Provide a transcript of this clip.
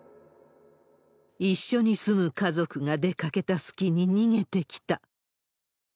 一緒に住む家族が出かけた隙に逃げてきた。